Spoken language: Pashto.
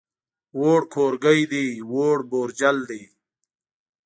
ووړ کورګی دی، ووړ بوجل دی.